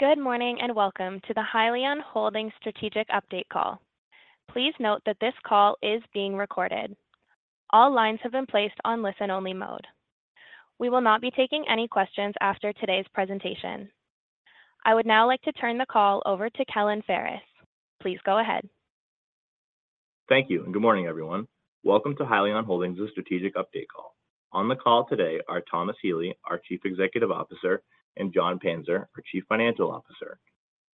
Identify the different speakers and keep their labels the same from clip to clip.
Speaker 1: Good morning, and welcome to the Hyliion Holdings Strategic Update Call. Please note that this call is being recorded. All lines have been placed on listen-only mode. We will not be taking any questions after today's presentation. I would now like to turn the call over to Kellen Parris. Please go ahead.
Speaker 2: Thank you, and good morning, everyone. Welcome to Hyliion Holdings' Strategic Update Call. On the call today are Thomas Healy, our Chief Executive Officer, and Jon Panzer, our Chief Financial Officer.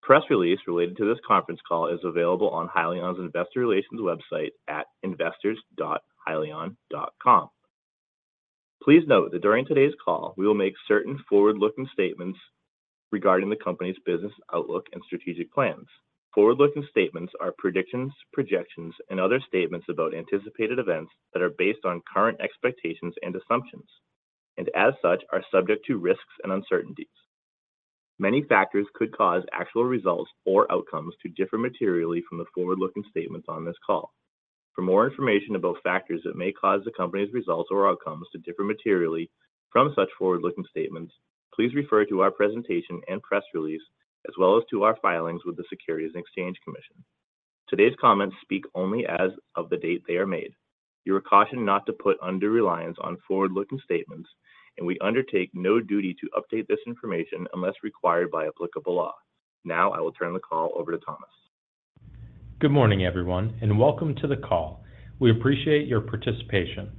Speaker 2: Press release related to this conference call is available on Hyliion's Investor Relations website at investors.hyliion.com. Please note that during today's call, we will make certain forward-looking statements regarding the company's business outlook and strategic plans. Forward-looking statements are predictions, projections, and other statements about anticipated events that are based on current expectations and assumptions, and as such, are subject to risks and uncertainties. Many factors could cause actual results or outcomes to differ materially from the forward-looking statements on this call. For more information about factors that may cause the company's results or outcomes to differ materially from such forward-looking statements, please refer to our presentation and press release, as well as to our filings with the Securities and Exchange Commission. Today's comments speak only as of the date they are made. You are cautioned not to put undue reliance on forward-looking statements, and we undertake no duty to update this information unless required by applicable law. Now, I will turn the call over to Thomas.
Speaker 3: Good morning, everyone, and welcome to the call. We appreciate your participation.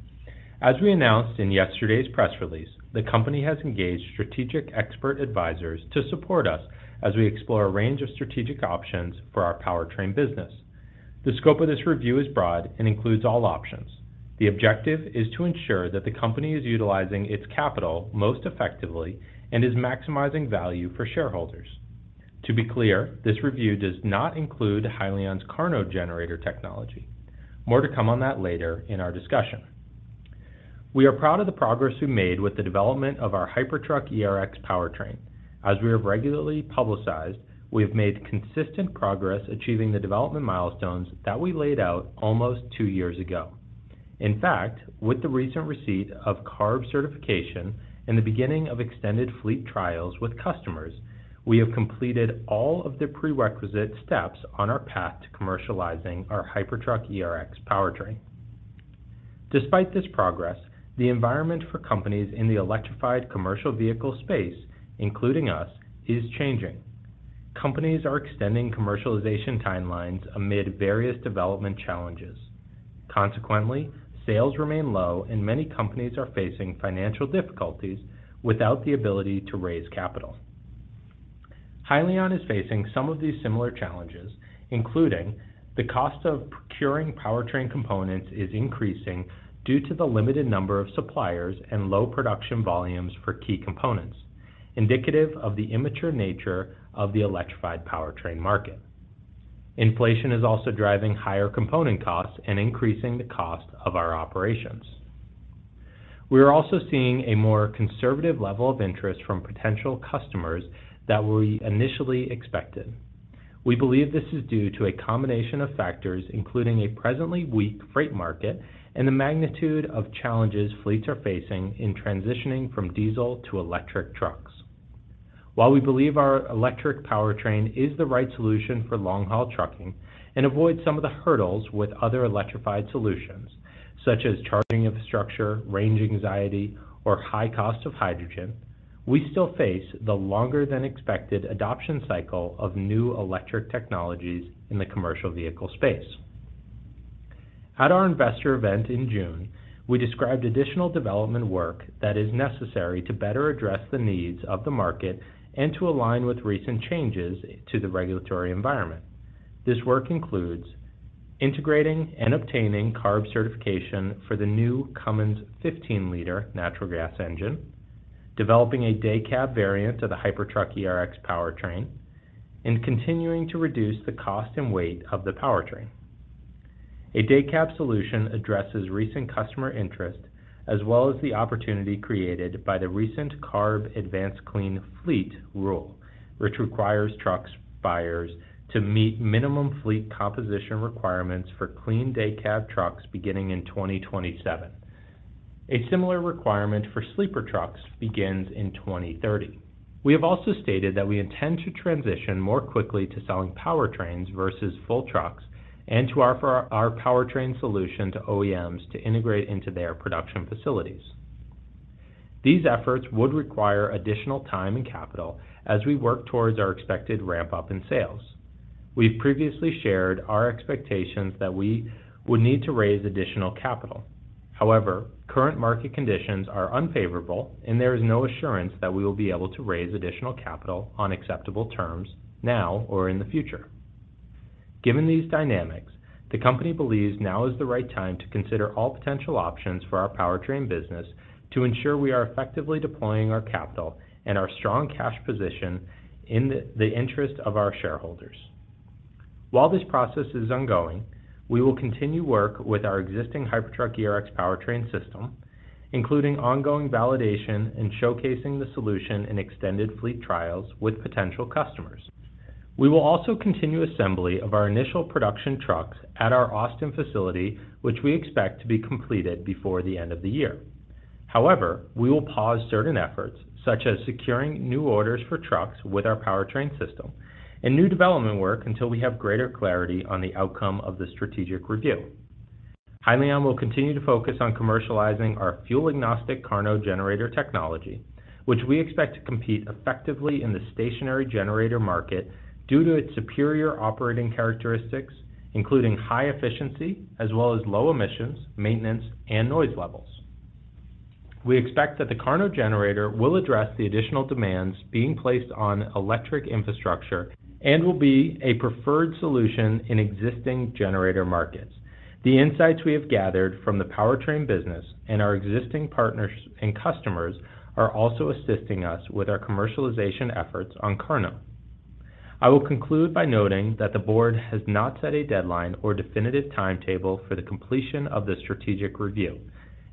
Speaker 3: As we announced in yesterday's press release, the company has engaged strategic expert advisors to support us as we explore a range of strategic options for our powertrain business. The scope of this review is broad and includes all options. The objective is to ensure that the company is utilizing its capital most effectively and is maximizing value for shareholders. To be clear, this review does not include Hyliion's KARNO generator technology. More to come on that later in our discussion. We are proud of the progress we've made with the development of our Hypertruck ERX powertrain. As we have regularly publicized, we have made consistent progress achieving the development milestones that we laid out almost two years ago. In fact, with the recent receipt of CARB certification and the beginning of extended fleet trials with customers, we have completed all of the prerequisite steps on our path to commercializing our Hypertruck ERX powertrain. Despite this progress, the environment for companies in the electrified commercial vehicle space, including us, is changing. Companies are extending commercialization timelines amid various development challenges. Consequently, sales remain low, and many companies are facing financial difficulties without the ability to raise capital. Hyliion is facing some of these similar challenges, including the cost of procuring powertrain components is increasing due to the limited number of suppliers and low production volumes for key components, indicative of the immature nature of the electrified powertrain market. Inflation is also driving higher component costs and increasing the cost of our operations. We are also seeing a more conservative level of interest from potential customers than we initially expected. We believe this is due to a combination of factors, including a presently weak freight market and the magnitude of challenges fleets are facing in transitioning from diesel to electric trucks. While we believe our electric powertrain is the right solution for long-haul trucking and avoids some of the hurdles with other electrified solutions, such as charging infrastructure, range anxiety, or high cost of hydrogen, we still face the longer-than-expected adoption cycle of new electric technologies in the commercial vehicle space. At our investor event in June, we described additional development work that is necessary to better address the needs of the market and to align with recent changes to the regulatory environment. This work includes integrating and obtaining CARB certification for the new Cummins 15-liter natural gas engine, developing a day cab variant of the Hypertruck ERX powertrain, and continuing to reduce the cost and weight of the powertrain. A day cab solution addresses recent customer interest, as well as the opportunity created by the recent CARB Advanced Clean Fleet rule, which requires truck buyers to meet minimum fleet composition requirements for clean day cab trucks beginning in 2027. A similar requirement for sleeper trucks begins in 2030. We have also stated that we intend to transition more quickly to selling powertrains versus full trucks and to offer our powertrain solution to OEMs to integrate into their production facilities. These efforts would require additional time and capital as we work towards our expected ramp-up in sales. We've previously shared our expectations that we would need to raise additional capital. However, current market conditions are unfavorable, and there is no assurance that we will be able to raise additional capital on acceptable terms now or in the future. Given these dynamics, the company believes now is the right time to consider all potential options for our powertrain business to ensure we are effectively deploying our capital and our strong cash position in the interest of our shareholders. While this process is ongoing, we will continue work with our existing Hypertruck ERX powertrain system, including ongoing validation and showcasing the solution in extended fleet trials with potential customers. We will also continue assembly of our initial production trucks at our Austin facility, which we expect to be completed before the end of the year. However, we will pause certain efforts, such as securing new orders for trucks with our powertrain system and new development work until we have greater clarity on the outcome of the strategic review. Hyliion will continue to focus on commercializing our fuel-agnostic KARNO generator technology, which we expect to compete effectively in the stationary generator market due to its superior operating characteristics, including high efficiency as well as low emissions, maintenance, and noise levels. We expect that the KARNO generator will address the additional demands being placed on electric infrastructure and will be a preferred solution in existing generator markets. The insights we have gathered from the powertrain business and our existing partners and customers are also assisting us with our commercialization efforts on KARNO. I will conclude by noting that the board has not set a deadline or definitive timetable for the completion of this strategic review,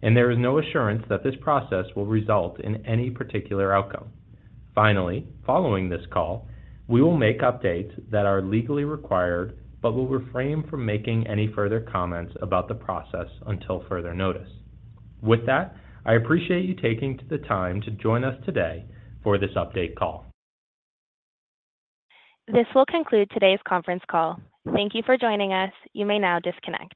Speaker 3: and there is no assurance that this process will result in any particular outcome. Finally, following this call, we will make updates that are legally required but will refrain from making any further comments about the process until further notice. With that, I appreciate you taking the time to join us today for this update call.
Speaker 1: This will conclude today's conference call. Thank you for joining us. You may now disconnect.